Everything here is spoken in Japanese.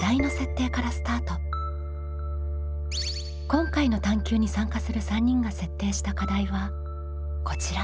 今回の探究に参加する３人が設定した課題はこちら。